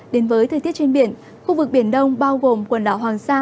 đến với thời tiết trên biển khu vực biển đông bao gồm quần đảo hoàng sa